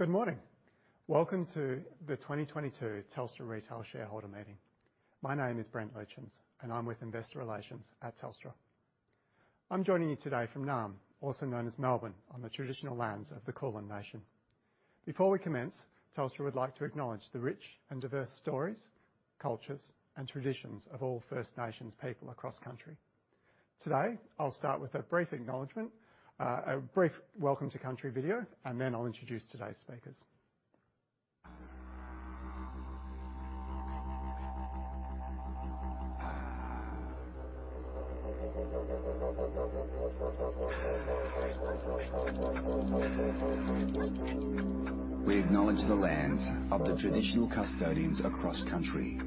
Good morning. Welcome to the 2022 Telstra Retail Shareholder Meeting. My name is Brent Luetjens, and I'm with Investor Relations at Telstra. I'm joining you today from Naarm, also known as Melbourne, on the traditional lands of the Kulin Nation. Before we commence, Telstra would like to acknowledge the rich and diverse stories, cultures, and traditions of all First Nations people across country. Today, I'll start with a brief acknowledgment, a brief welcome-to-country video, and then I'll introduce today's speakers. We acknowledge the lands of the traditional custodians across country.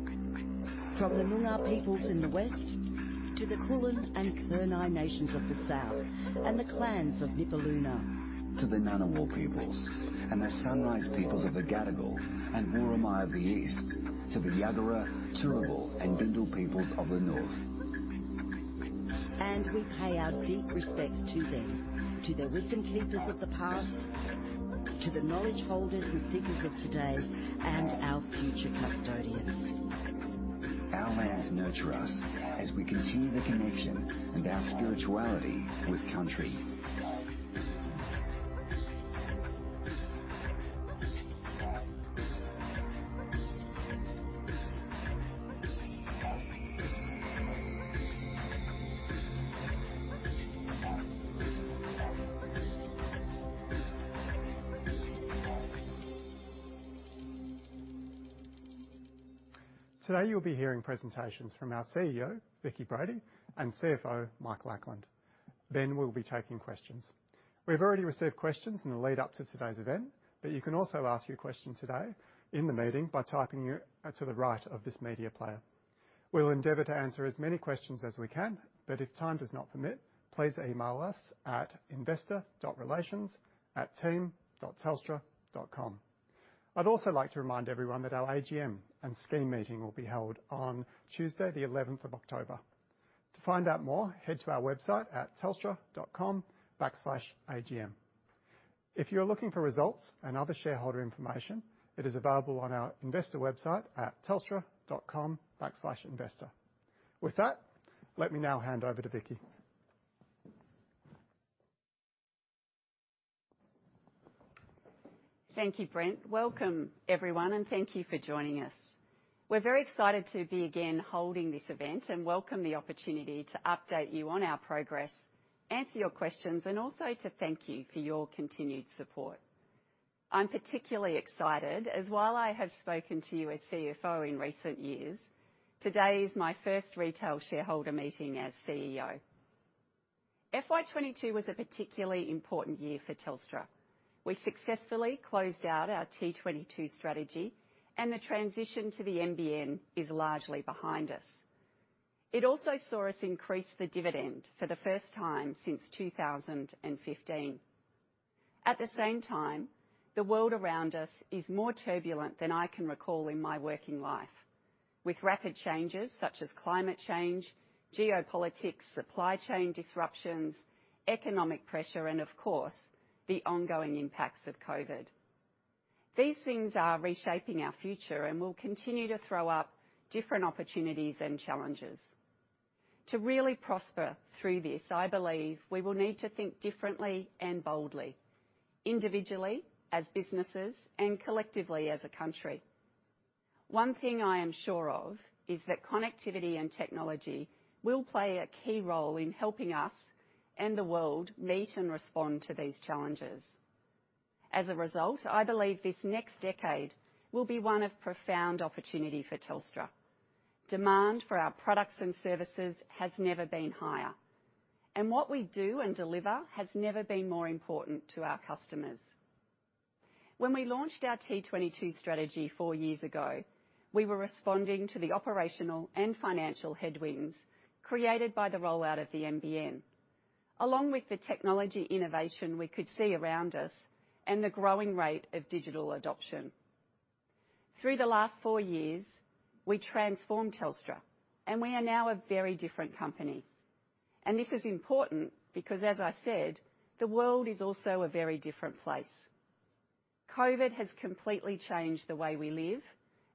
From the Noongar peoples in the west to the Kulin and Kurnai nations of the south, and the clans of Nipaluna. To the Ngunnawal peoples and the Sunrise peoples of the Gadigal and Wurundjeri of the east, to the Yagara, Turrbal and Dindal peoples of the north. We pay our deep respect to them, to the wisdom keepers of the past, to the knowledge holders and seekers of today, and our future custodians. Our lands nurture us as we continue the connection and our spirituality with country. Today, you'll be hearing presentations from our CEO, Vicki Brady, and CFO, Michael Ackland. Then we'll be taking questions. We've already received questions in the lead-up to today's event, but you can also ask your question today in the meeting by typing to the right of this media player. We'll endeavor to answer as many questions as we can, but if time does not permit, please email us at investor.relations@team.telstra.com. I'd also like to remind everyone that our AGM and Scheme Meeting will be held on Tuesday, the 11th of October. To find out more, head to our website at telstra.com/agm. If you're looking for results and other shareholder information, it is available on our investor website at telstra.com/investor. With that, let me now hand over to Vicki. Thank you, Brent. Welcome, everyone, and thank you for joining us. We're very excited to be again holding this event and welcome the opportunity to update you on our progress, answer your questions, and also to thank you for your continued support. I'm particularly excited, as while I have spoken to you as CFO in recent years, today is my first retail shareholder meeting as CEO. FY22 was a particularly important year for Telstra. We successfully closed out our T22 strategy, and the transition to the NBN is largely behind us. It also saw us increase the dividend for the first time since 2015. At the same time, the world around us is more turbulent than I can recall in my working life, with rapid changes such as climate change, geopolitics, supply chain disruptions, economic pressure, and of course, the ongoing impacts of COVID. These things are reshaping our future, and we'll continue to throw up different opportunities and challenges. To really prosper through this, I believe we will need to think differently and boldly, individually as businesses and collectively as a country. One thing I am sure of is that connectivity and technology will play a key role in helping us and the world meet and respond to these challenges. As a result, I believe this next decade will be one of profound opportunity for Telstra. Demand for our products and services has never been higher, and what we do and deliver has never been more important to our customers. When we launched our T22 strategy four years ago, we were responding to the operational and financial headwinds created by the rollout of the NBN, along with the technology innovation we could see around us and the growing rate of digital adoption. Through the last four years, we transformed Telstra, and we are now a very different company. This is important because, as I said, the world is also a very different place. COVID has completely changed the way we live,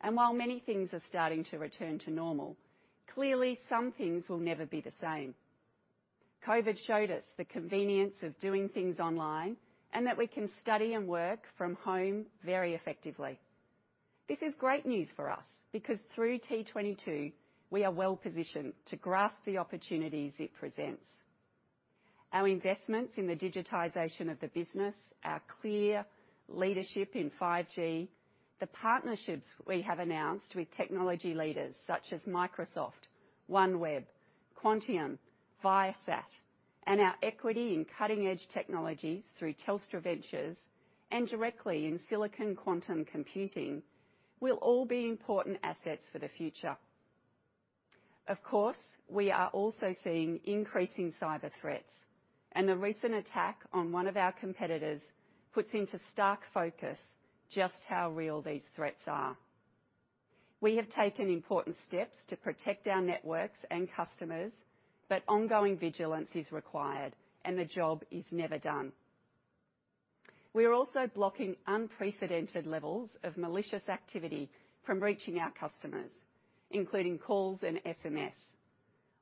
and while many things are starting to return to normal, clearly some things will never be the same. COVID showed us the convenience of doing things online and that we can study and work from home very effectively. This is great news for us because through T22, we are well positioned to grasp the opportunities it presents. Our investments in the digitization of the business, our clear leadership in 5G, the partnerships we have announced with technology leaders such as Microsoft, OneWeb, Quantium, Viasat, and our equity in cutting-edge technologies through Telstra Ventures and directly in Silicon Quantum Computing will all be important assets for the future. Of course, we are also seeing increasing cyber threats, and the recent attack on one of our competitors puts into stark focus just how real these threats are. We have taken important steps to protect our networks and customers, but ongoing vigilance is required, and the job is never done. We are also blocking unprecedented levels of malicious activity from reaching our customers, including calls and SMS,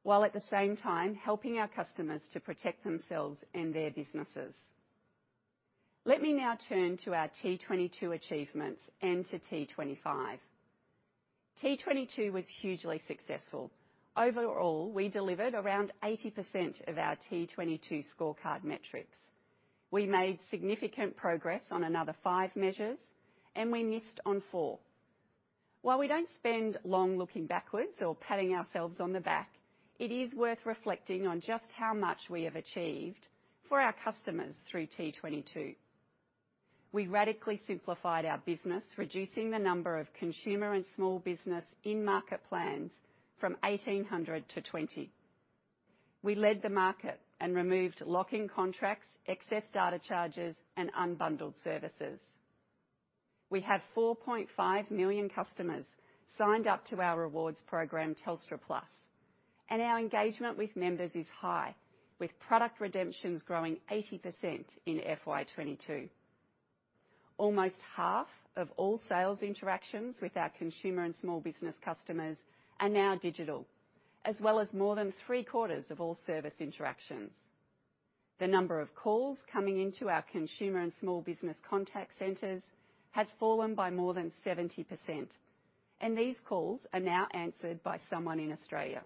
while at the same time helping our customers to protect themselves and their businesses. Let me now turn to our T22 achievements and to T25. T22 was hugely successful. Overall, we delivered around 80% of our T22 scorecard metrics. We made significant progress on another five measures, and we missed on four. While we don't spend long looking backwards or patting ourselves on the back, it is worth reflecting on just how much we have achieved for our customers through T22. We radically simplified our business, reducing the number of consumer and small business in-market plans from 1,800 to 20. We led the market and removed lock-in contracts, excess data charges, and unbundled services. We have 4.5 million customers signed up to our rewards program, Telstra Plus, and our engagement with members is high, with product redemptions growing 80% in FY22. Almost half of all sales interactions with our consumer and small business customers are now digital, as well as more than three-quarters of all service interactions. The number of calls coming into our consumer and small business contact centers has fallen by more than 70%, and these calls are now answered by someone in Australia.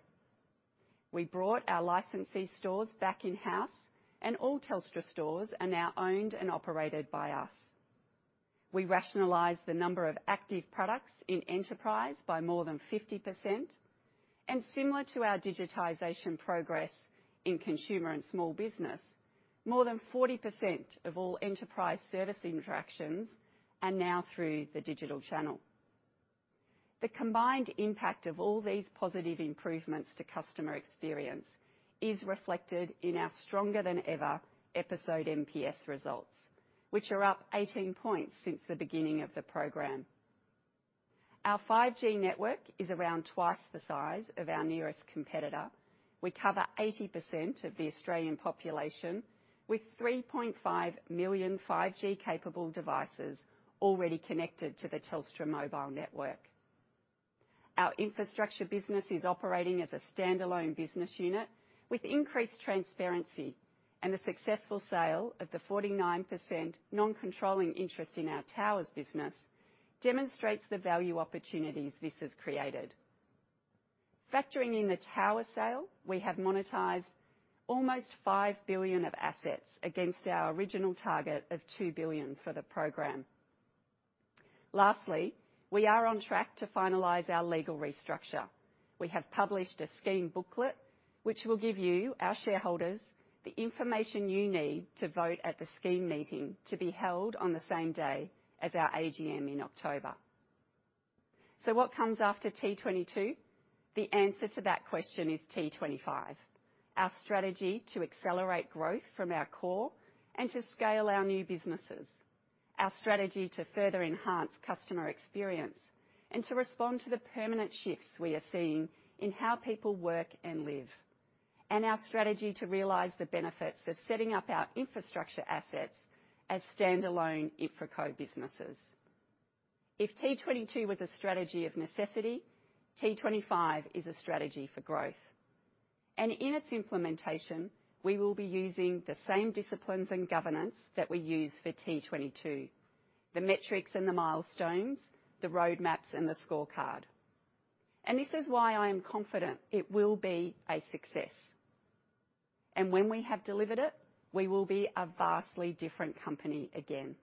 We brought our licensee stores back in-house, and all Telstra stores are now owned and operated by us. We rationalized the number of active products in enterprise by more than 50%, and similar to our digitization progress in consumer and small business, more than 40% of all enterprise service interactions are now through the digital channel. The combined impact of all these positive improvements to customer experience is reflected in our stronger-than-ever Episode NPS results, which are up 18 points since the beginning of the program. Our 5G network is around twice the size of our nearest competitor. We cover 80% of the Australian population, with 3.5 million 5G-capable devices already connected to the Telstra mobile network. Our infrastructure business is operating as a standalone business unit, with increased transparency, and the successful sale of the 49% non-controlling interest in our towers business demonstrates the value opportunities this has created. Factoring in the tower sale, we have monetised almost 5 billion of assets against our original target of 2 billion for the program. Lastly, we are on track to finalise our legal restructure. We have published a Scheme Booklet, which will give you, our shareholders, the information you need to vote at the scheme meeting to be held on the same day as our AGM in October. So what comes after T22? The answer to that question is T25. Our strategy to accelerate growth from our core and to scale our new businesses, our strategy to further enhance customer experience, and to respond to the permanent shifts we are seeing in how people work and live, and our strategy to realise the benefits of setting up our infrastructure assets as standalone Infr Co-businesses. If T22 was a strategy of necessity, T25 is a strategy for growth. In its implementation, we will be using the same disciplines and governance that we use for T22: the metrics and the milestones, the roadmaps, and the scorecard. This is why I am confident it will be a success. When we have delivered it, we will be a vastly different company again.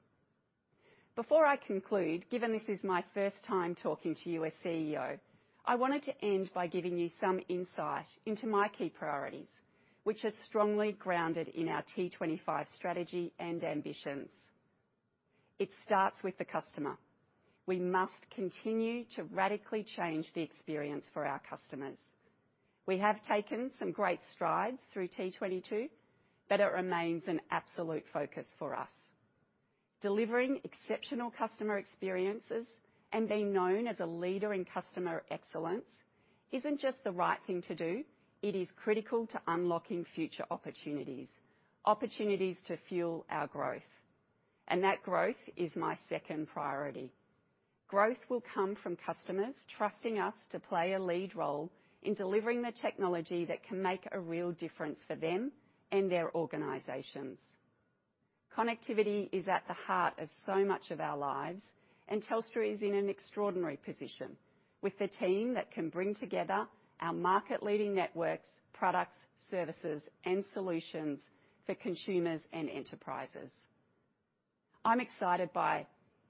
Before I conclude, given this is my first time talking to you as CEO, I wanted to end by giving you some insight into my key priorities, which are strongly grounded in our T25 strategy and ambitions. It starts with the customer. We must continue to radically change the experience for our customers. We have taken some great strides through T22, but it remains an absolute focus for us. Delivering exceptional customer experiences and being known as a leader in customer excellence isn't just the right thing to do. It is critical to unlocking future opportunities, opportunities to fuel our growth. That growth is my second priority. Growth will come from customers trusting us to play a lead role in delivering the technology that can make a real difference for them and their organizations. Connectivity is at the heart of so much of our lives, and Telstra is in an extraordinary position with the team that can bring together our market-leading networks, products, services, and solutions for consumers and enterprises. I'm excited by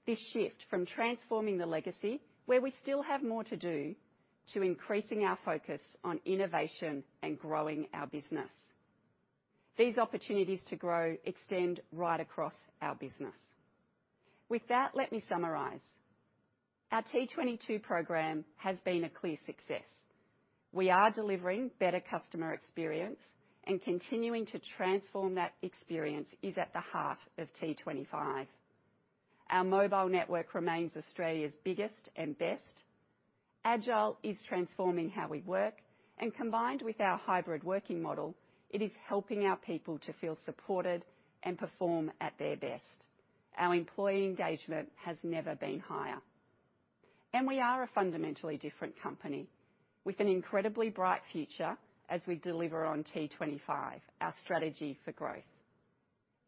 this shift from transforming the legacy, where we still have more to do, to increasing our focus on innovation and growing our business. These opportunities to grow extend right across our business. With that, let me summarize. Our T22 program has been a clear success. We are delivering better customer experience, and continuing to transform that experience is at the heart of T25. Our mobile network remains Australia's biggest and best. Agile is transforming how we work, and combined with our hybrid working model, it is helping our people to feel supported and perform at their best. Our employee engagement has never been higher. We are a fundamentally different company with an incredibly bright future as we deliver on T25, our strategy for growth.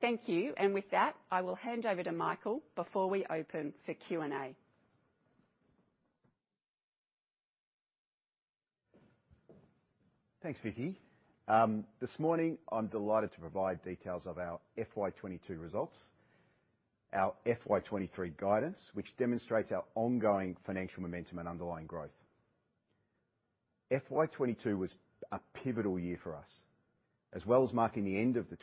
Thank you, and with that, I will hand over to Michael before we open for Q&A. Thanks, Vicki. This morning, I'm delighted to provide details of our FY22 results, our FY23 guidance, which demonstrates our ongoing financial momentum and underlying growth. FY22 was a pivotal year for us. As well as marking the end of the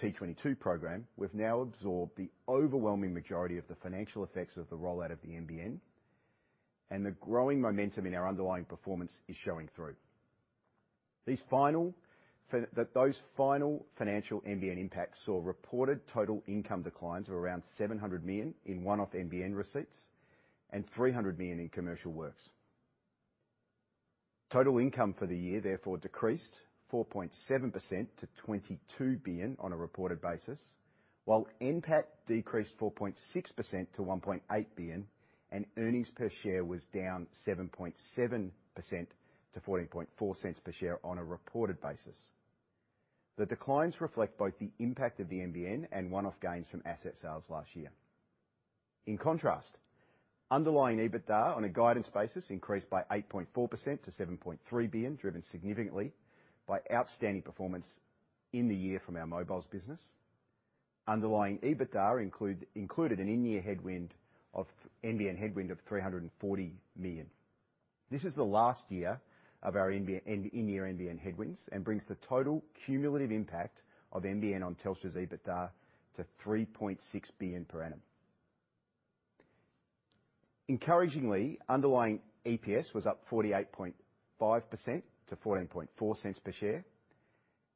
T22 program, we've now absorbed the overwhelming majority of the financial effects of the rollout of the NBN, and the growing momentum in our underlying performance is showing through. Those final financial NBN impacts saw reported total income declines of around 700 million in one-off NBN receipts and 300 million in commercial works. Total income for the year, therefore, decreased 4.7% to AUD 22 billion on a reported basis, while NPAT decreased 4.6% to AUD 1.8 billion, and earnings per share was down 7.7% to 0.144 per share on a reported basis. The declines reflect both the impact of the NBN and one-off gains from asset sales last year. In contrast, underlying EBITDA on a guidance basis increased by 8.4% to 7.3 billion, driven significantly by outstanding performance in the year from our mobiles business. Underlying EBITDA included an in-year headwind of NBN headwind of 340 million. This is the last year of our in-year NBN headwinds and brings the total cumulative impact of NBN on Telstra's EBITDA to 3.6 billion per annum. Encouragingly, underlying EPS was up 48.5% to 0.144 per share,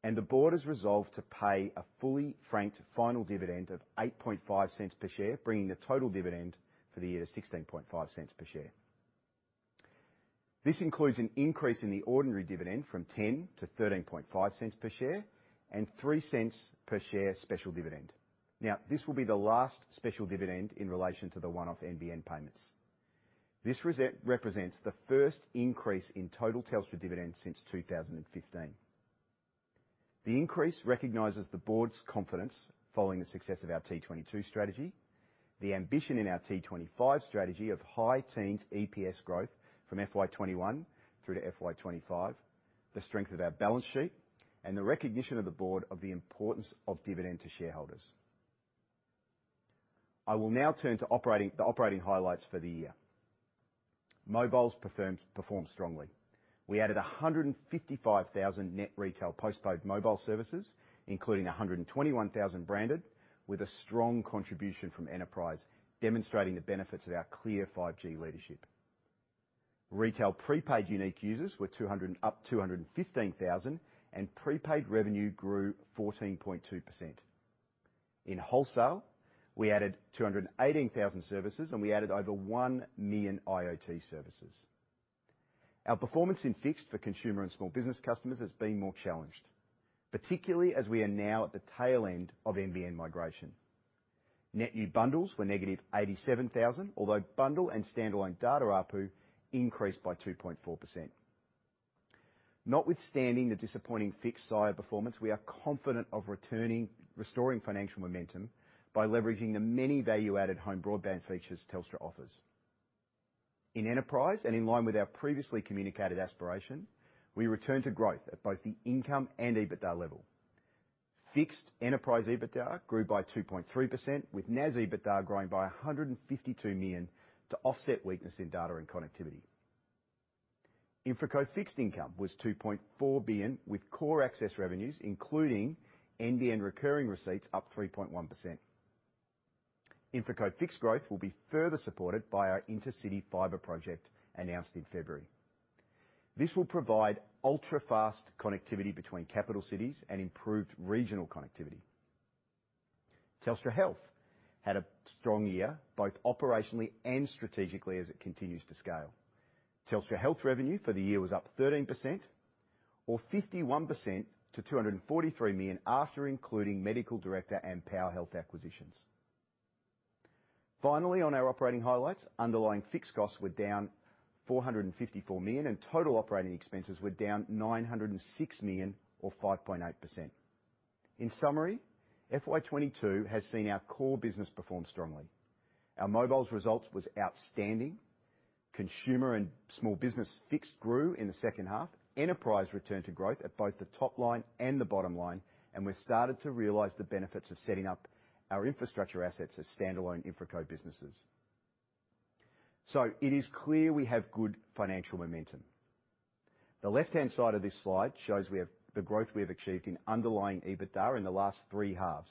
and the board has resolved to pay a fully franked final dividend of 0.085 per share, bringing the total dividend for the year to 0.165 per share. This includes an increase in the ordinary dividend from 0.10 to 0.135 per share and 0.03 per share special dividend. Now, this will be the last special dividend in relation to the one-off NBN payments. This represents the first increase in total Telstra dividend since 2015. The increase recognizes the board's confidence following the success of our T22 strategy, the ambition in our T25 strategy of high teens EPS growth from FY21 through to FY25, the strength of our balance sheet, and the recognition of the board of the importance of dividend to shareholders. I will now turn to the operating highlights for the year. Mobiles performed strongly. We added 155,000 net retail postpaid mobile services, including 121,000 branded, with a strong contribution from enterprise, demonstrating the benefits of our clear 5G leadership. Retail prepaid unique users were up 215,000, and prepaid revenue grew 14.2%. In wholesale, we added 218,000 services, and we added over 1,000,000 IoT services. Our performance in fixed for consumer and small business customers has been more challenged, particularly as we are now at the tail end of NBN migration. Net new bundles were -87,000, although bundle and standalone data ARPU increased by 2.4%. Notwithstanding the disappointing fixed-line performance, we are confident of restoring financial momentum by leveraging the many value-added home broadband features Telstra offers. In enterprise and in line with our previously communicated aspiration, we returned to growth at both the income and EBITDA level. Fixed enterprise EBITDA grew by 2.3%, with NAS EBITDA growing by 152 million to offset weakness in data and connectivity. InfraCo Fixed income was 2.4 billion, with core access revenues, including NBN recurring receipts, up 3.1%. InfraCo Fixed growth will be further supported by our Intercity Fibre project announced in February. This will provide ultra-fast connectivity between capital cities and improved regional connectivity. Telstra Health had a strong year, both operationally and strategically, as it continues to scale. Telstra Health revenue for the year was up 13%, or 51% to 243 million after including MedicalDirector and PowerHealth acquisitions. Finally, on our operating highlights, underlying fixed costs were down 454 million, and total operating expenses were down 906 million, or 5.8%. In summary, FY22 has seen our core business perform strongly. Our mobiles result was outstanding. Consumer and small business fixed grew in the second half. Enterprise returned to growth at both the top line and the bottom line, and we've started to realize the benefits of setting up our infrastructure assets as standalone InfraCo businesses. So it is clear we have good financial momentum. The left-hand side of this slide shows the growth we have achieved in underlying EBITDA in the last three halves.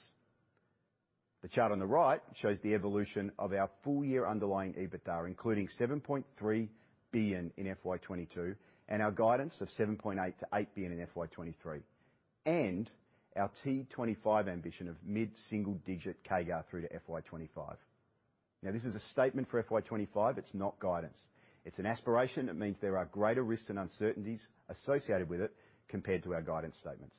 The chart on the right shows the evolution of our full-year underlying EBITDA, including 7.3 billion in FY22 and our guidance of 7.8 billion-8 billion in FY23, and our T25 ambition of mid-single-digit CAGR through to FY25. Now, this is a statement for FY25. It's not guidance. It's an aspiration. It means there are greater risks and uncertainties associated with it compared to our guidance statements.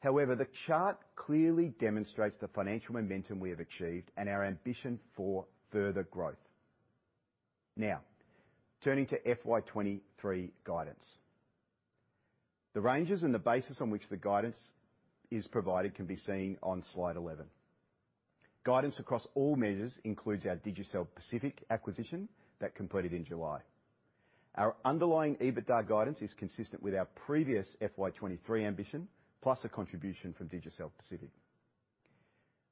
However, the chart clearly demonstrates the financial momentum we have achieved and our ambition for further growth. Now, turning to FY23 guidance. The ranges and the basis on which the guidance is provided can be seen on slide 11. Guidance across all measures includes our Digicel Pacific acquisition that completed in July. Our underlying EBITDA guidance is consistent with our previous FY23 ambition, plus a contribution from Digicel Pacific.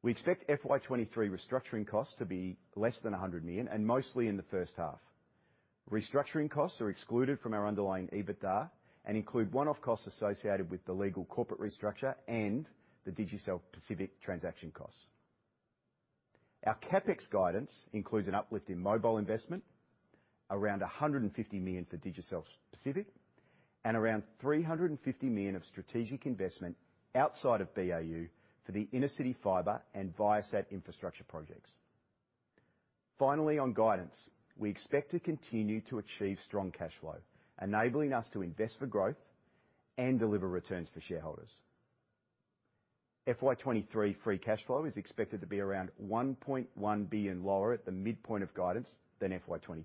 We expect FY23 restructuring costs to be less than 100 million and mostly in the first half. Restructuring costs are excluded from our underlying EBITDA and include one-off costs associated with the legal corporate restructure and the Digicel Pacific transaction costs. Our CapEx guidance includes an uplift in mobile investment, around 150 million for Digicel Pacific, and around 350 million of strategic investment outside of BAU for the intercity fibre and Viasat infrastructure projects. Finally, on guidance, we expect to continue to achieve strong cash flow, enabling us to invest for growth and deliver returns for shareholders. FY23 free cash flow is expected to be around 1.1 billion lower at the midpoint of guidance than FY22.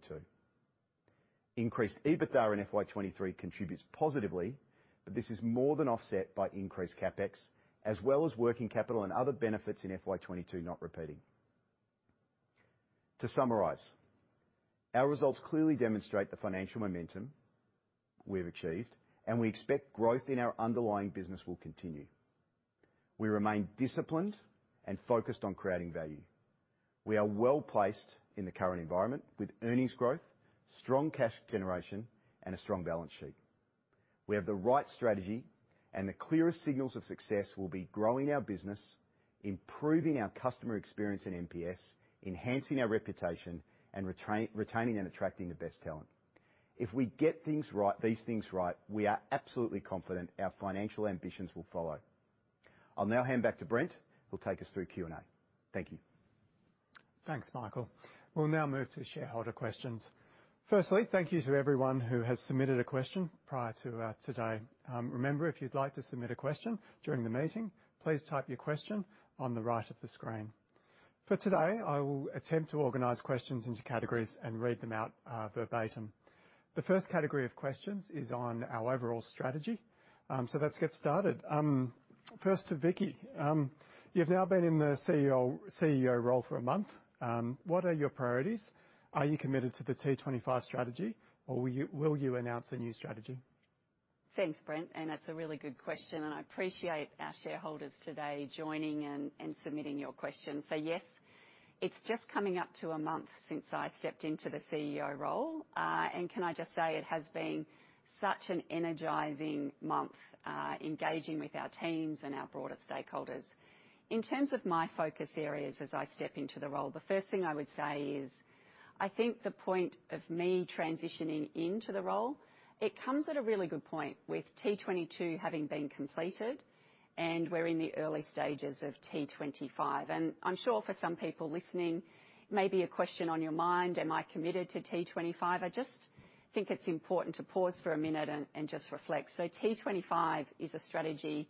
Increased EBITDA in FY23 contributes positively, but this is more than offset by increased CapEx, as well as working capital and other benefits in FY22 not repeating. To summarize, our results clearly demonstrate the financial momentum we've achieved, and we expect growth in our underlying business will continue. We remain disciplined and focused on creating value. We are well placed in the current environment with earnings growth, strong cash generation, and a strong balance sheet. We have the right strategy, and the clearest signals of success will be growing our business, improving our customer experience and NPS, enhancing our reputation, and retaining and attracting the best talent. If we get these things right, we are absolutely confident our financial ambitions will follow. I'll now hand back to Brent, who'll take us through Q&A. Thank you. Thanks, Michael. We'll now move to shareholder questions. Firstly, thank you to everyone who has submitted a question prior to today. Remember, if you'd like to submit a question during the meeting, please type your question on the right of the screen. For today, I will attempt to organize questions into categories and read them out verbatim. The first category of questions is on our overall strategy. So let's get started. First, to Vicki. You've now been in the CEO role for a month. What are your priorities? Are you committed to the T25 strategy, or will you announce a new strategy? Thanks, Brent. And that's a really good question, and I appreciate our shareholders today joining and submitting your questions. So yes, it's just coming up to a month since I stepped into the CEO role. And can I just say it has been such an energizing month engaging with our teams and our broader stakeholders. In terms of my focus areas as I step into the role, the first thing I would say is I think the point of me transitioning into the role, it comes at a really good point with T22 having been completed, and we're in the early stages of T25. And I'm sure for some people listening, maybe a question on your mind, am I committed to T25? I just think it's important to pause for a minute and just reflect. So T25 is a strategy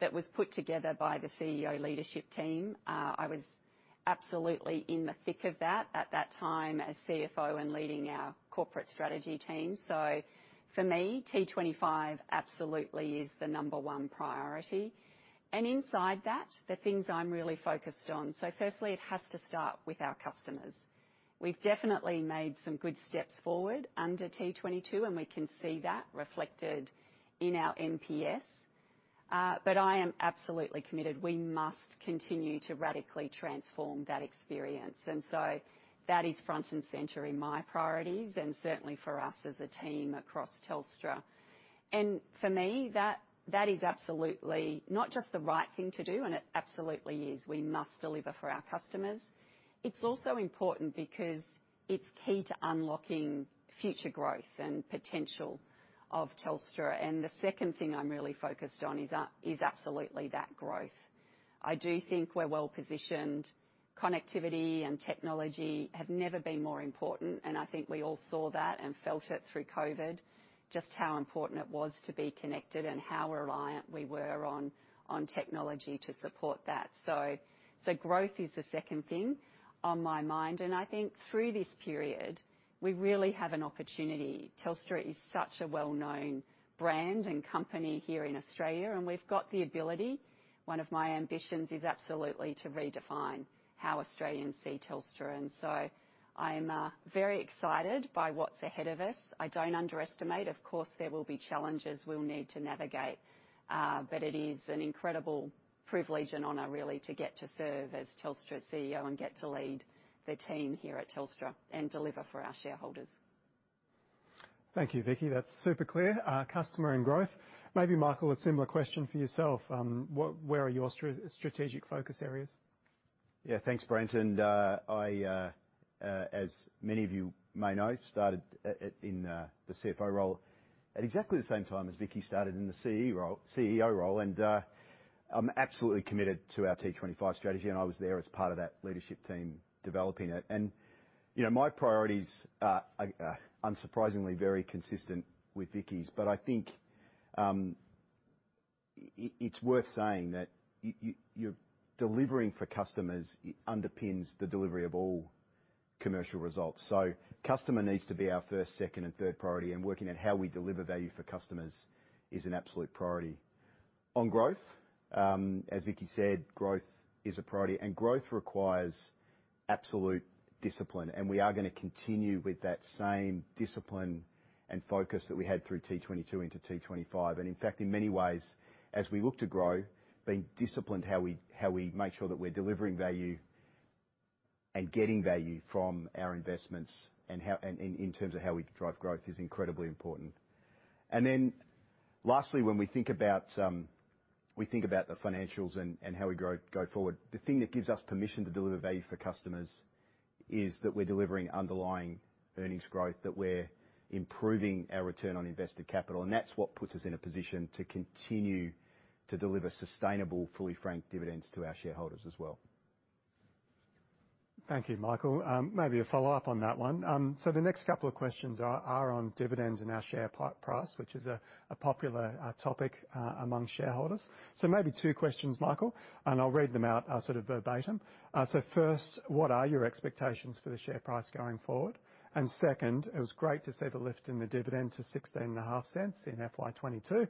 that was put together by the CEO leadership team. I was absolutely in the thick of that at that time as CFO and leading our corporate strategy team. So for me, T25 absolutely is the number one priority. And inside that, the things I'm really focused on. So firstly, it has to start with our customers. We've definitely made some good steps forward under T22, and we can see that reflected in our NPS. But I am absolutely committed. We must continue to radically transform that experience. And so that is front and centre in my priorities and certainly for us as a team across Telstra. And for me, that is absolutely not just the right thing to do, and it absolutely is. We must deliver for our customers. It's also important because it's key to unlocking future growth and potential of Telstra. And the second thing I'm really focused on is absolutely that growth. I do think we're well positioned. Connectivity and technology have never been more important, and I think we all saw that and felt it through COVID, just how important it was to be connected and how reliant we were on technology to support that. So growth is the second thing on my mind. And I think through this period, we really have an opportunity. Telstra is such a well-known brand and company here in Australia, and we've got the ability. One of my ambitions is absolutely to redefine how Australians see Telstra. And so I'm very excited by what's ahead of us. I don't underestimate. Of course, there will be challenges we'll need to navigate, but it is an incredible privilege and honor, really, to get to serve as Telstra's CEO and get to lead the team here at Telstra and deliver for our shareholders. Thank you, Vicki. That's super clear. Customer and growth. Maybe, Michael, a similar question for yourself. Where are your strategic focus areas? Yeah, thanks, Brent. I, as many of you may know, started in the CFO role at exactly the same time as Vicki started in the CEO role. I'm absolutely committed to our T25 strategy, and I was there as part of that leadership team developing it. My priorities are unsurprisingly very consistent with Vicki's, but I think it's worth saying that you're delivering for customers underpins the delivery of all commercial results. Customer needs to be our first, second, and third priority, and working at how we deliver value for customers is an absolute priority. On growth, as Vicki said, growth is a priority, and growth requires absolute discipline. We are going to continue with that same discipline and focus that we had through T22 into T25. In fact, in many ways, as we look to grow, being disciplined how we make sure that we're delivering value and getting value from our investments in terms of how we drive growth is incredibly important. Then lastly, when we think about the financials and how we go forward, the thing that gives us permission to deliver value for customers is that we're delivering underlying earnings growth, that we're improving our return on invested capital. That's what puts us in a position to continue to deliver sustainable, fully franked dividends to our shareholders as well. Thank you, Michael. Maybe a follow-up on that one. So the next couple of questions are on dividends and our share price, which is a popular topic among shareholders. So maybe two questions, Michael, and I'll read them out sort of verbatim. So first, what are your expectations for the share price going forward? And second, it was great to see the lift in the dividend to 0.165 in FY22.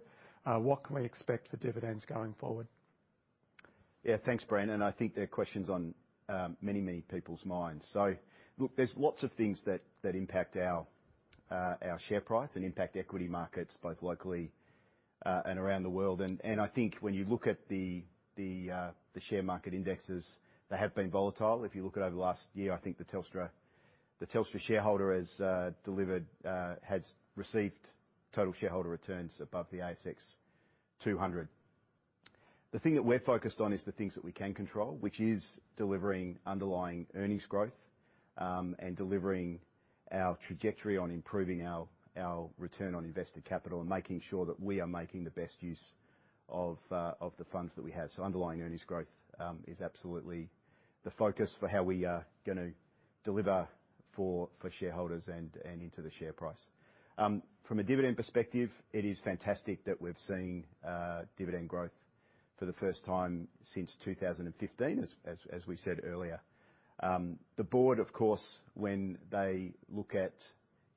What can we expect for dividends going forward? Yeah, thanks, Brent. I think there are questions on many, many people's minds. So look, there's lots of things that impact our share price and impact equity markets both locally and around the world. I think when you look at the share market indexes, they have been volatile. If you look at over the last year, I think the Telstra shareholder has received total shareholder returns above the ASX 200. The thing that we're focused on is the things that we can control, which is delivering underlying earnings growth and delivering our trajectory on improving our return on invested capital and making sure that we are making the best use of the funds that we have. So underlying earnings growth is absolutely the focus for how we are going to deliver for shareholders and into the share price. From a dividend perspective, it is fantastic that we've seen dividend growth for the first time since 2015, as we said earlier. The board, of course, when they look at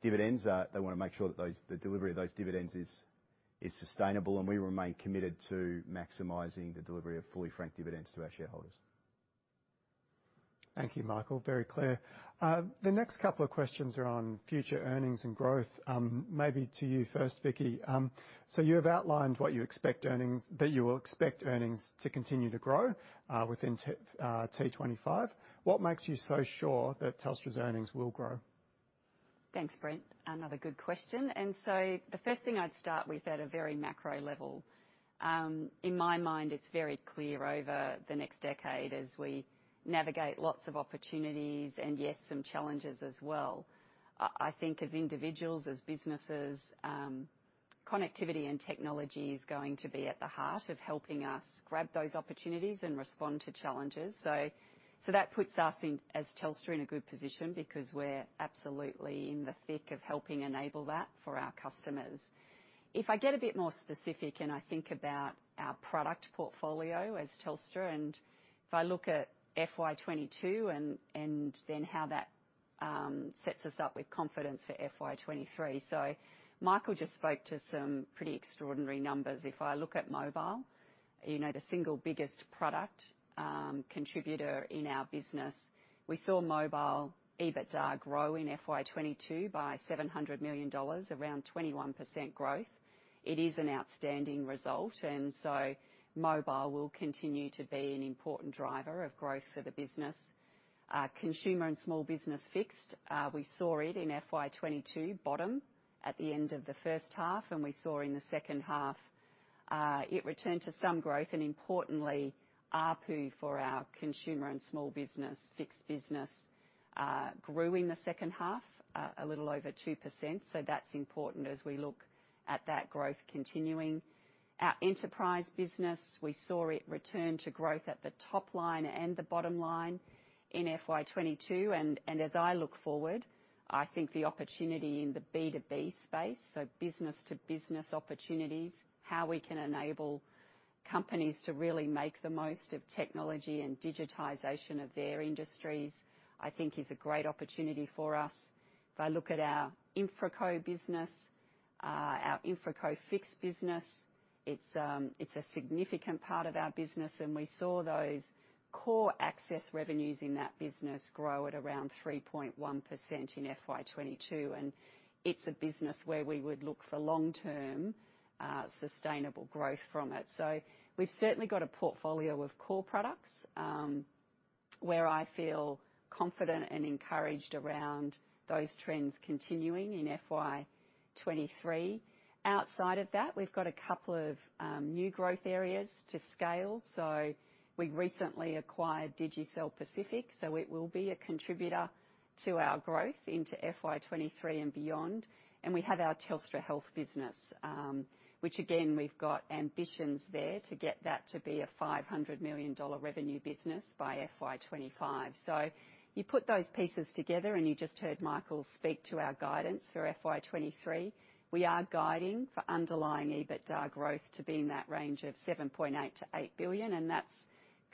dividends, they want to make sure that the delivery of those dividends is sustainable, and we remain committed to maximizing the delivery of fully frank dividends to our shareholders. Thank you, Michael. Very clear. The next couple of questions are on future earnings and growth. Maybe to you first, Vicki. So you have outlined what you expect earnings that you will expect earnings to continue to grow within T25. What makes you so sure that Telstra's earnings will grow? Thanks, Brent. Another good question. So the first thing I'd start with at a very macro level, in my mind, it's very clear over the next decade as we navigate lots of opportunities and, yes, some challenges as well. I think as individuals, as businesses, connectivity and technology is going to be at the heart of helping us grab those opportunities and respond to challenges. So that puts us as Telstra in a good position because we're absolutely in the thick of helping enable that for our customers. If I get a bit more specific and I think about our product portfolio as Telstra, and if I look at FY22 and then how that sets us up with confidence for FY23. So Michael just spoke to some pretty extraordinary numbers. If I look at mobile, the single biggest product contributor in our business, we saw mobile EBITDA grow in FY22 by 700 million dollars, around 21% growth. It is an outstanding result. And so mobile will continue to be an important driver of growth for the business. Consumer and small business fixed, we saw it in FY22 bottom at the end of the first half, and we saw in the second half it returned to some growth. And importantly, ARPU for our consumer and small business fixed business grew in the second half a little over 2%. So that's important as we look at that growth continuing. Our enterprise business, we saw it return to growth at the top line and the bottom line in FY22. As I look forward, I think the opportunity in the B2B space, so business-to-business opportunities, how we can enable companies to really make the most of technology and digitization of their industries, I think is a great opportunity for us. If I look at our InfraCo business, our InfraCo Fixed business, it's a significant part of our business. And we saw those core access revenues in that business grow at around 3.1% in FY22. And it's a business where we would look for long-term sustainable growth from it. So we've certainly got a portfolio of core products where I feel confident and encouraged around those trends continuing in FY23. Outside of that, we've got a couple of new growth areas to scale. So we recently acquired Digicel Pacific, so it will be a contributor to our growth into FY23 and beyond. And we have our Telstra Health business, which again, we've got ambitions there to get that to be a 500 million dollar revenue business by FY25. So you put those pieces together, and you just heard Michael speak to our guidance for FY23. We are guiding for underlying EBITDA growth to be in that range of 7.8 billion-8 billion, and that's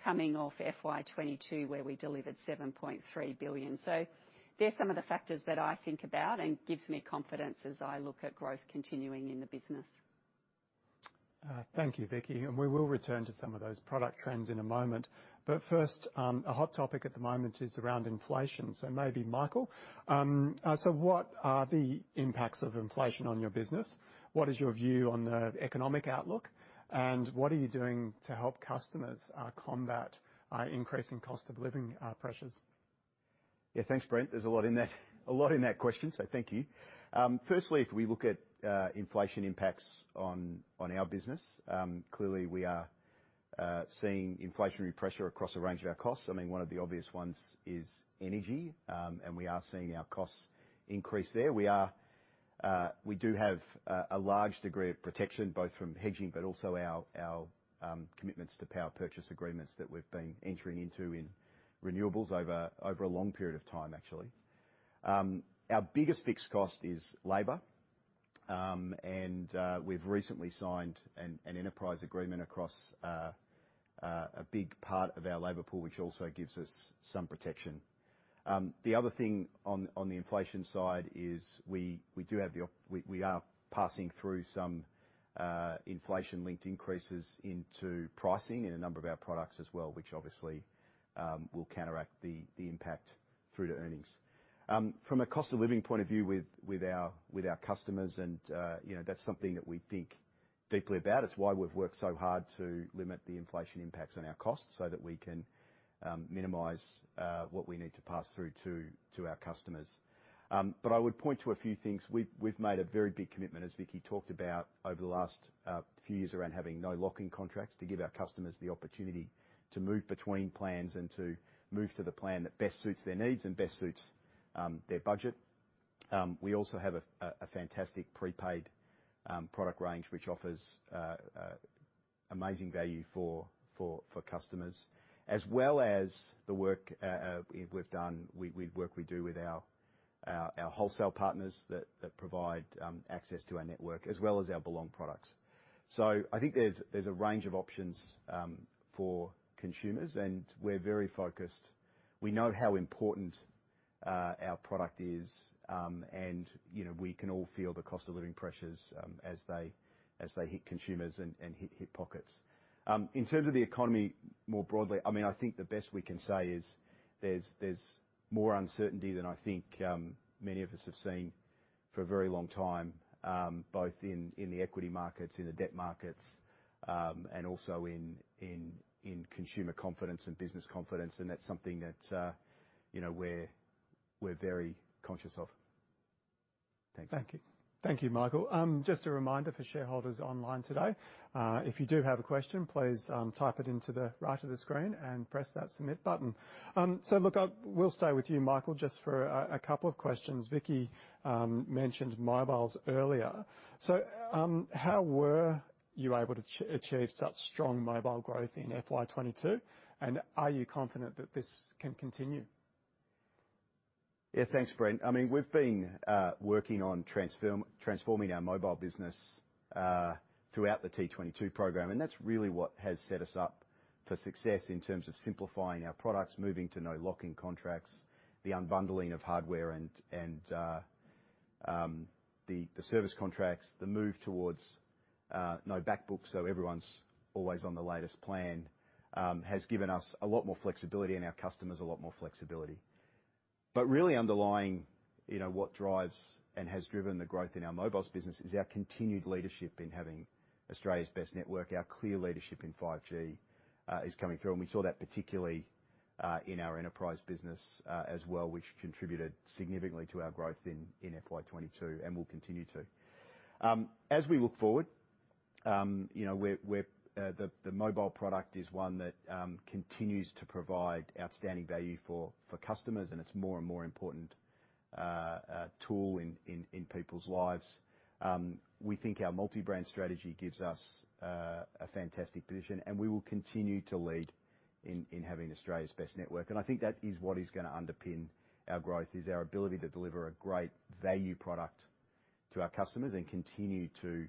coming off FY22 where we delivered 7.3 billion. So they're some of the factors that I think about and give me confidence as I look at growth continuing in the business. Thank you, Vicki. And we will return to some of those product trends in a moment. But first, a hot topic at the moment is around inflation. So maybe, Michael, so what are the impacts of inflation on your business? What is your view on the economic outlook? And what are you doing to help customers combat increasing cost of living pressures? Yeah, thanks, Brent. There's a lot in that question, so thank you. Firstly, if we look at inflation impacts on our business, clearly we are seeing inflationary pressure across a range of our costs. I mean, one of the obvious ones is energy, and we are seeing our costs increase there. We do have a large degree of protection both from hedging, but also our commitments to power purchase agreements that we've been entering into in renewables over a long period of time, actually. Our biggest fixed cost is labor, and we've recently signed an enterprise agreement across a big part of our labor pool, which also gives us some protection. The other thing on the inflation side is we are passing through some inflation-linked increases into pricing in a number of our products as well, which obviously will counteract the impact through to earnings. From a cost of living point of view with our customers, and that's something that we think deeply about. It's why we've worked so hard to limit the inflation impacts on our costs so that we can minimize what we need to pass through to our customers. But I would point to a few things. We've made a very big commitment, as Vicki talked about, over the last few years around having no lock-in contracts to give our customers the opportunity to move between plans and to move to the plan that best suits their needs and best suits their budget. We also have a fantastic prepaid product range, which offers amazing value for customers, as well as the work we've done with our wholesale partners that provide access to our network, as well as our Belong products. So I think there's a range of options for consumers, and we're very focused. We know how important our product is, and we can all feel the cost of living pressures as they hit consumers and hit pockets. In terms of the economy more broadly, I mean, I think the best we can say is there's more uncertainty than I think many of us have seen for a very long time, both in the equity markets, in the debt markets, and also in consumer confidence and business confidence. And that's something that we're very conscious of. Thanks. Thank you. Thank you, Michael. Just a reminder for shareholders online today, if you do have a question, please type it into the right of the screen and press that submit button. So look, we'll stay with you, Michael, just for a couple of questions. Vicki mentioned mobiles earlier. So how were you able to achieve such strong mobile growth in FY22? And are you confident that this can continue? Yeah, thanks, Brent. I mean, we've been working on transforming our mobile business throughout the T22 program, and that's really what has set us up for success in terms of simplifying our products, moving to no lock-in contracts, the unbundling of hardware and the service contracts, the move towards no backbook so everyone's always on the latest plan has given us a lot more flexibility and our customers a lot more flexibility. But really underlying what drives and has driven the growth in our mobiles business is our continued leadership in having Australia's best network. Our clear leadership in 5G is coming through, and we saw that particularly in our enterprise business as well, which contributed significantly to our growth in FY22 and will continue to. As we look forward, the mobile product is one that continues to provide outstanding value for customers, and it's more and more important tool in people's lives. We think our multi-brand strategy gives us a fantastic position, and we will continue to lead in having Australia's best network. I think that is what is going to underpin our growth, is our ability to deliver a great value product to our customers and continue to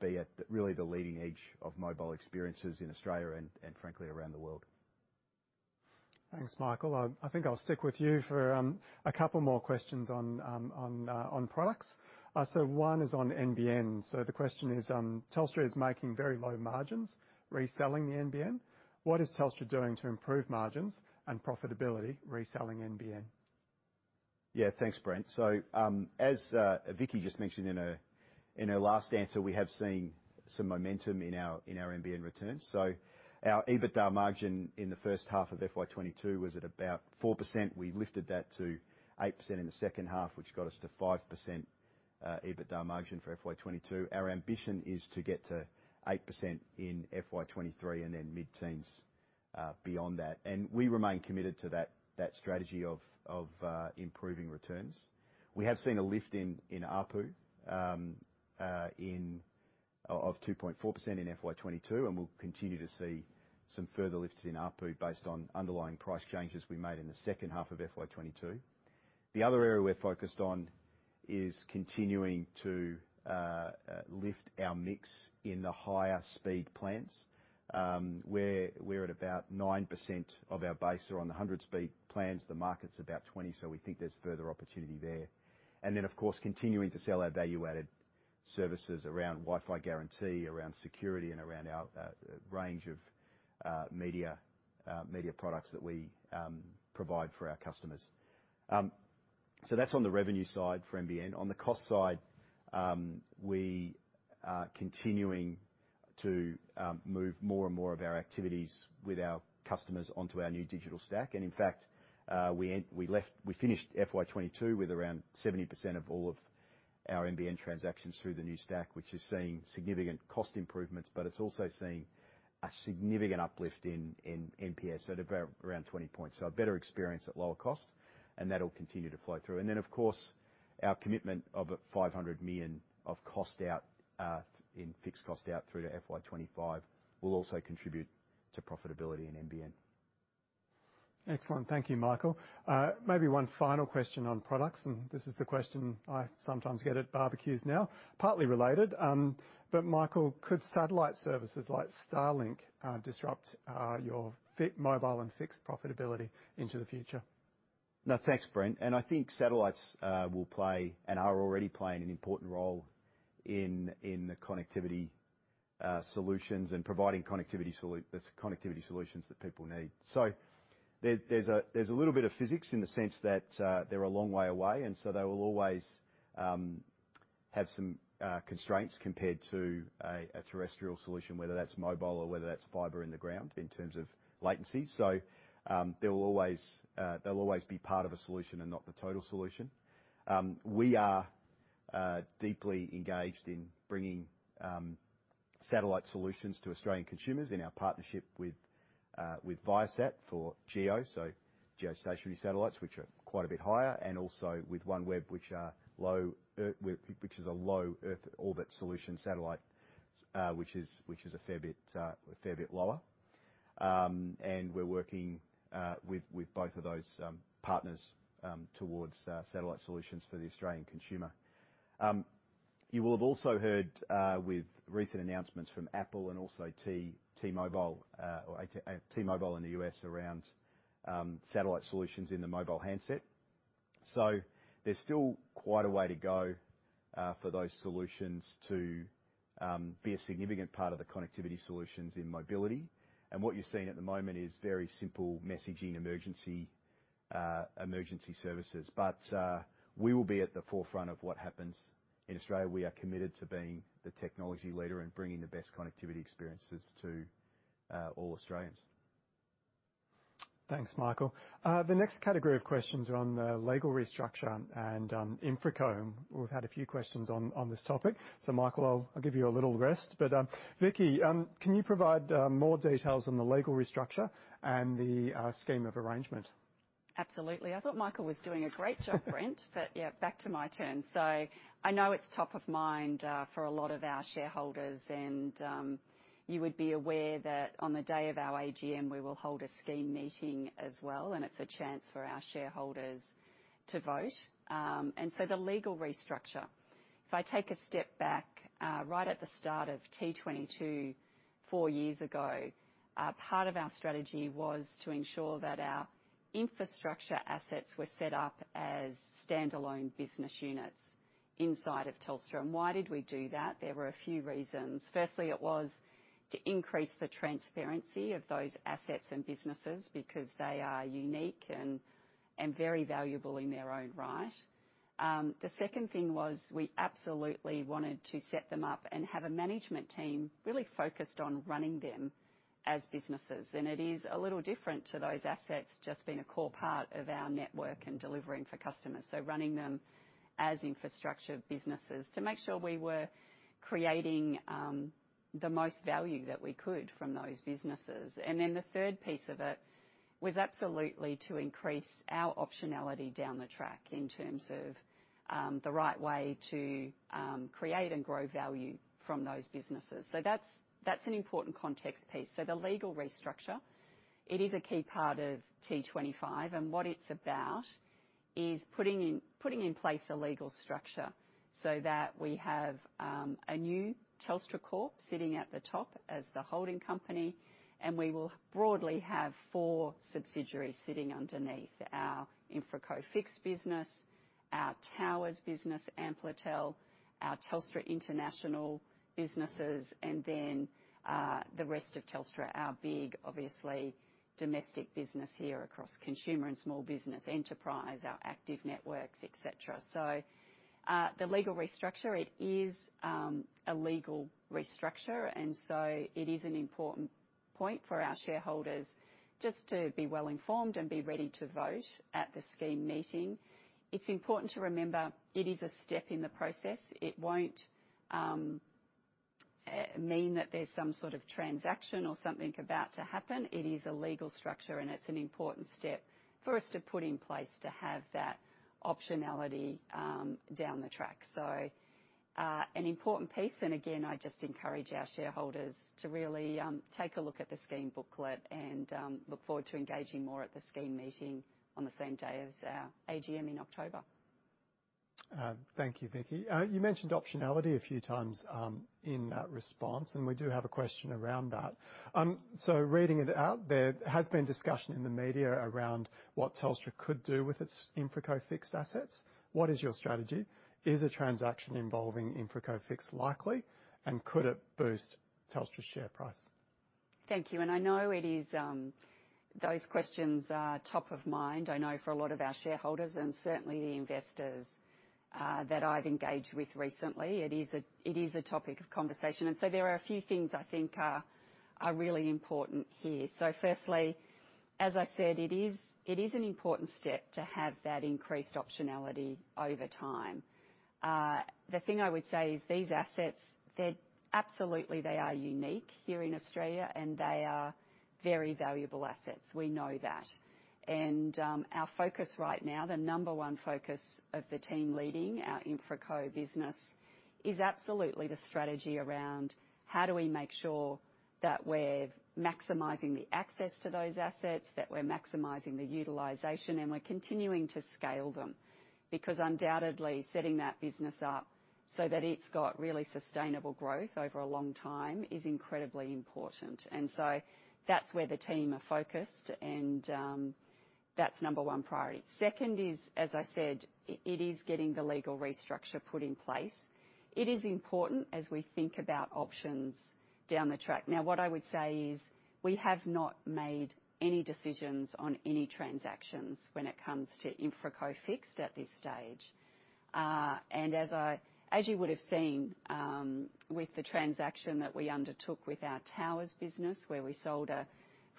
be at really the leading edge of mobile experiences in Australia and, frankly, around the world. Thanks, Michael. I think I'll stick with you for a couple more questions on products. So one is on NBN. So the question is, Telstra is making very low margins reselling the NBN. What is Telstra doing to improve margins and profitability reselling NBN? Yeah, thanks, Brent. So as Vicki just mentioned in her last answer, we have seen some momentum in our NBN returns. So our EBITDA margin in the first half of FY22 was at about 4%. We lifted that to 8% in the second half, which got us to 5% EBITDA margin for FY22. Our ambition is to get to 8% in FY23 and then mid-teens beyond that. And we remain committed to that strategy of improving returns. We have seen a lift in ARPU of 2.4% in FY22, and we'll continue to see some further lifts in ARPU based on underlying price changes we made in the second half of FY22. The other area we're focused on is continuing to lift our mix in the higher-speed plans. We're at about 9% of our base or on the 100-speed plans. The market's about 20%, so we think there's further opportunity there. Then, of course, continuing to sell our value-added services around Wi-Fi guarantee, around security, and around our range of media products that we provide for our customers. That's on the revenue side for NBN. On the cost side, we are continuing to move more and more of our activities with our customers onto our new digital stack. In fact, we finished FY22 with around 70% of all of our NBN transactions through the new stack, which is seeing significant cost improvements, but it's also seeing a significant uplift in NPS at around 20 points. A better experience at lower cost, and that'll continue to flow through. Our commitment of 500 million of cost out in fixed cost out through to FY25 will also contribute to profitability in NBN. Excellent. Thank you, Michael. Maybe one final question on products, and this is the question I sometimes get at barbecues now, partly related. But Michael, could satellite services like Starlink disrupt your mobile and fixed profitability into the future? No, thanks, Brent. I think satellites will play and are already playing an important role in the connectivity solutions and providing connectivity solutions that people need. So there's a little bit of physics in the sense that they're a long way away, and so they will always have some constraints compared to a terrestrial solution, whether that's mobile or whether that's fiber in the ground in terms of latency. So they'll always be part of a solution and not the total solution. We are deeply engaged in bringing satellite solutions to Australian consumers in our partnership with Viasat for GEO, so geostationary satellites, which are quite a bit higher, and also with OneWeb, which is a low Earth orbit solution satellite, which is a fair bit lower. We're working with both of those partners towards satellite solutions for the Australian consumer. You will have also heard with recent announcements from Apple and also T-Mobile in the U.S. around satellite solutions in the mobile handset. So there's still quite a way to go for those solutions to be a significant part of the connectivity solutions in mobility. And what you're seeing at the moment is very simple messaging, emergency services. But we will be at the forefront of what happens in Australia. We are committed to being the technology leader and bringing the best connectivity experiences to all Australians. Thanks, Michael. The next category of questions are on the legal restructure and InfraCo. We've had a few questions on this topic. So Michael, I'll give you a little rest. But Vicki, can you provide more details on the legal restructure and the scheme of arrangement? Absolutely. I thought Michael was doing a great job, Brent, but yeah, back to my turn. So I know it's top of mind for a lot of our shareholders, and you would be aware that on the day of our AGM, we will hold a Scheme meeting as well, and it's a chance for our shareholders to vote. And so the legal restructure, if I take a step back, right at the start of T22 four years ago, part of our strategy was to ensure that our infrastructure assets were set up as standalone business units inside of Telstra. And why did we do that? There were a few reasons. Firstly, it was to increase the transparency of those assets and businesses because they are unique and very valuable in their own right. The second thing was we absolutely wanted to set them up and have a management team really focused on running them as businesses. And it is a little different to those assets just being a core part of our network and delivering for customers, so running them as infrastructure businesses to make sure we were creating the most value that we could from those businesses. And then the third piece of it was absolutely to increase our optionality down the track in terms of the right way to create and grow value from those businesses. So that's an important context piece. So the legal restructure, it is a key part of T25, and what it's about is putting in place a legal structure so that we have a new Telstra Corp sitting at the top as the holding company, and we will broadly have four subsidiaries sitting underneath our InfraCo Fixed business, our towers business, Amplitel, our Telstra International businesses, and then the rest of Telstra, our big, obviously, domestic business here across consumer and small business, enterprise, our active networks, etc. The legal restructure, it is a legal restructure, and so it is an important point for our shareholders just to be well informed and be ready to vote at the scheme meeting. It's important to remember it is a step in the process. It won't mean that there's some sort of transaction or something about to happen. It is a legal structure, and it's an important step for us to put in place to have that optionality down the track. So an important piece. Again, I just encourage our shareholders to really take a look at the Scheme Booklet and look forward to engaging more at the Scheme Meeting on the same day as our AGM in October. Thank you, Vicki. You mentioned optionality a few times in response, and we do have a question around that. So reading it out there, there has been discussion in the media around what Telstra could do with its InfraCo Fixed assets. What is your strategy? Is a transaction involving InfraCo Fixed likely, and could it boost Telstra's share price? Thank you. I know those questions are top of mind, I know for a lot of our shareholders and certainly the investors that I've engaged with recently. It is a topic of conversation. There are a few things I think are really important here. Firstly, as I said, it is an important step to have that increased optionality over time. The thing I would say is these assets, absolutely they are unique here in Australia, and they are very valuable assets. We know that. Our focus right now, the number one focus of the team leading our InfraCo business, is absolutely the strategy around how do we make sure that we're maximizing the access to those assets, that we're maximizing the utilization, and we're continuing to scale them because undoubtedly setting that business up so that it's got really sustainable growth over a long time is incredibly important. And so that's where the team are focused, and that's number one priority. Second is, as I said, it is getting the legal restructure put in place. It is important as we think about options down the track. Now, what I would say is we have not made any decisions on any transactions when it comes to InfraCo Fixed at this stage. As you would have seen with the transaction that we undertook with our towers business, where we sold a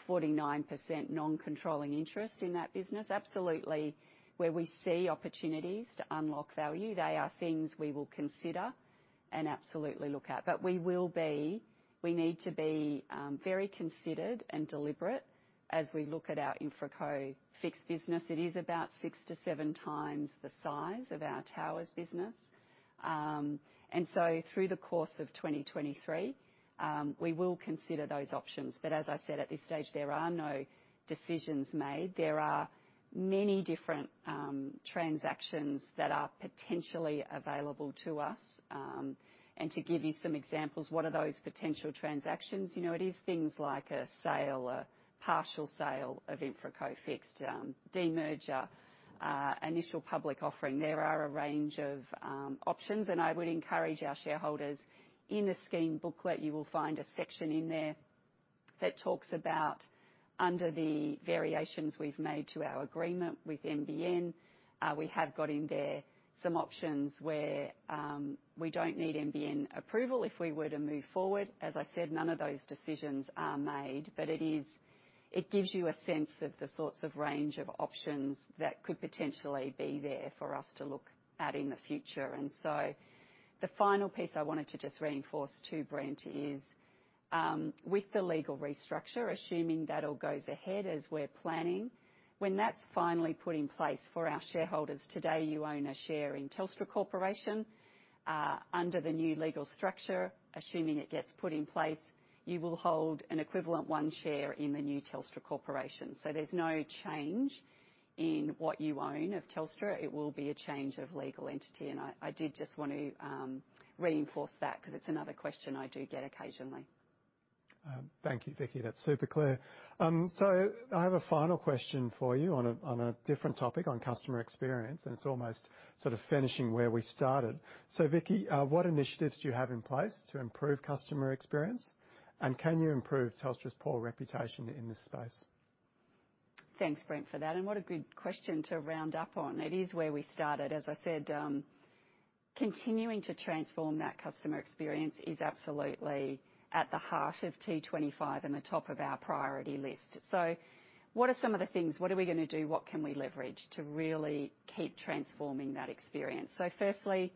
49% non-controlling interest in that business, absolutely where we see opportunities to unlock value, they are things we will consider and absolutely look at. But we need to be very considered and deliberate as we look at our InfraCo Fixed business. It is about six to seven times the size of our towers business. So through the course of 2023, we will consider those options. But as I said, at this stage, there are no decisions made. There are many different transactions that are potentially available to us. And to give you some examples, what are those potential transactions? It is things like a sale, a partial sale of InfraCo Fixed, demerger, initial public offering. There are a range of options. I would encourage our shareholders, in the scheme booklet. You will find a section in there that talks about, under the variations we've made to our agreement with NBN. We have got in there some options where we don't need NBN approval if we were to move forward. As I said, none of those decisions are made, but it gives you a sense of the sorts of range of options that could potentially be there for us to look at in the future. And so the final piece I wanted to just reinforce too, Brent, is with the legal restructure, assuming that all goes ahead as we're planning, when that's finally put in place, for our shareholders, today you own a share in Telstra Corporation under the new legal structure, assuming it gets put in place, you will hold an equivalent one share in the new Telstra Corporation. There's no change in what you own of Telstra. It will be a change of legal entity. I did just want to reinforce that because it's another question I do get occasionally. Thank you, Vicki. That's super clear. So I have a final question for you on a different topic, on customer experience, and it's almost sort of finishing where we started. So Vicki, what initiatives do you have in place to improve customer experience, and can you improve Telstra's poor reputation in this space? Thanks, Brent, for that. And what a good question to round up on. It is where we started. As I said, continuing to transform that customer experience is absolutely at the heart of T25 and the top of our priority list. So what are some of the things? What are we going to do? What can we leverage to really keep transforming that experience? So firstly,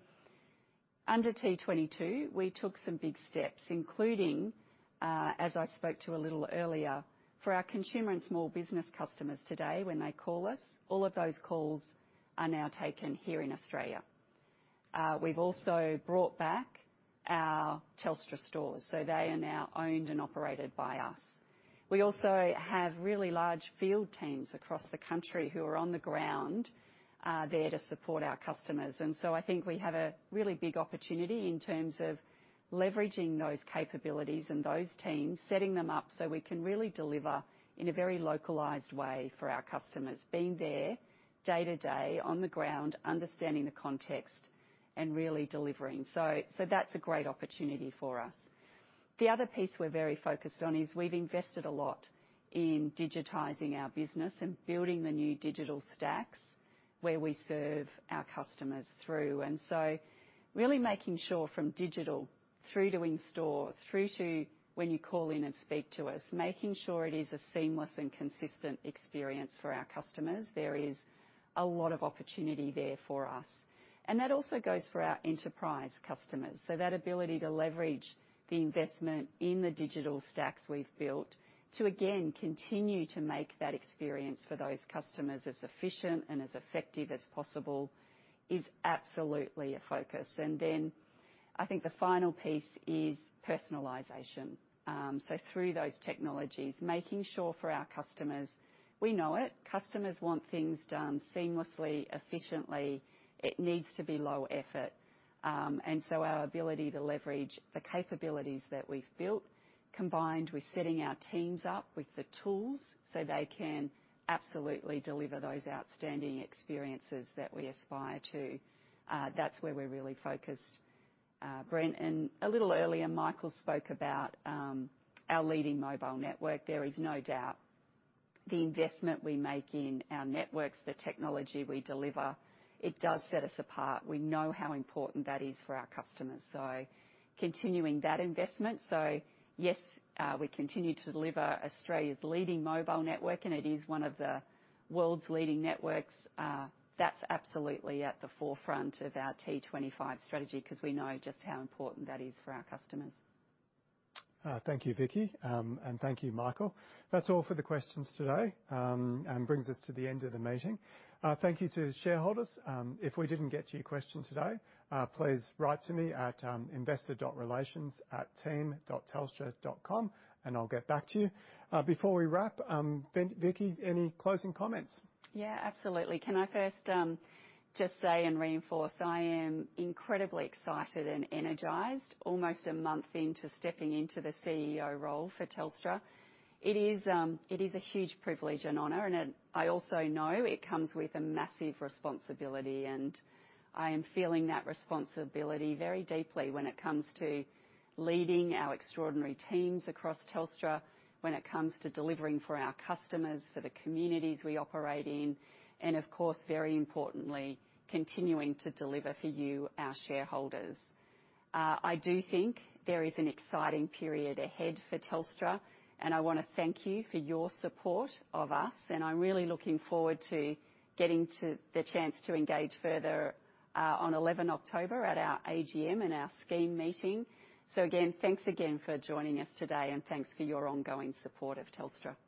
under T22, we took some big steps, including, as I spoke to a little earlier, for our consumer and small business customers today, when they call us, all of those calls are now taken here in Australia. We've also brought back our Telstra stores, so they are now owned and operated by us. We also have really large field teams across the country who are on the ground there to support our customers. And so I think we have a really big opportunity in terms of leveraging those capabilities and those teams, setting them up so we can really deliver in a very localized way for our customers, being there day to day on the ground, understanding the context, and really delivering. So that's a great opportunity for us. The other piece we're very focused on is we've invested a lot in digitizing our business and building the new digital stacks where we serve our customers through. And so really making sure from digital through to in-store, through to when you call in and speak to us, making sure it is a seamless and consistent experience for our customers. There is a lot of opportunity there for us. And that also goes for our enterprise customers. That ability to leverage the investment in the digital stacks we've built to, again, continue to make that experience for those customers as efficient and as effective as possible is absolutely a focus. Then I think the final piece is personalization. Through those technologies, making sure for our customers, we know it, customers want things done seamlessly, efficiently. It needs to be low effort. Our ability to leverage the capabilities that we've built, combined with setting our teams up with the tools so they can absolutely deliver those outstanding experiences that we aspire to, that's where we're really focused, Brent. A little earlier, Michael spoke about our leading mobile network. There is no doubt the investment we make in our networks, the technology we deliver, it does set us apart. We know how important that is for our customers. Continuing that investment, yes, we continue to deliver Australia's leading mobile network, and it is one of the world's leading networks. That's absolutely at the forefront of our T25 strategy because we know just how important that is for our customers. Thank you, Vicki, and thank you, Michael. That's all for the questions today and brings us to the end of the meeting. Thank you to the shareholders. If we didn't get to your question today, please write to me at investor.relations@team.telstra.com, and I'll get back to you. Before we wrap, Vicki, any closing comments? Yeah, absolutely. Can I first just say and reinforce I am incredibly excited and energized, almost a month into stepping into the CEO role for Telstra. It is a huge privilege and honor, and I also know it comes with a massive responsibility, and I am feeling that responsibility very deeply when it comes to leading our extraordinary teams across Telstra, when it comes to delivering for our customers, for the communities we operate in, and of course, very importantly, continuing to deliver for you, our shareholders. I do think there is an exciting period ahead for Telstra, and I want to thank you for your support of us, and I'm really looking forward to getting the chance to engage further on 11 October at our AGM and our scheme meeting. So again, thanks again for joining us today, and thanks for your ongoing support of Telstra.